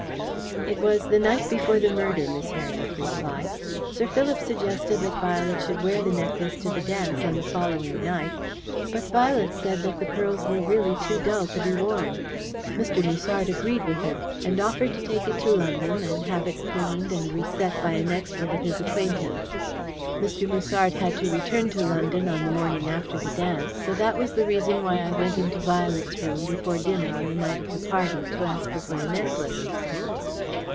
"It was the night before the murder," Miss Heredith replied. "Sir Philip suggested that Violet should wear the necklace to the dance on the following night, but Violet said that the pearls were really too dull to be worn. Mr. Musard agreed with her, and offered to take it to London and have it cleaned and reset by an expert of his acquaintance. Mr. Musard had to return to London on the morning after the dance, so that was the reason why I went into Violet's room before dinner on the night of the party to ask her for the necklace."